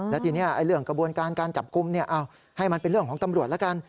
และทีนี้เรื่องกระบวนการการจับกลุ่มให้มันเป็นเรื่องของตำรวจแล้วกัน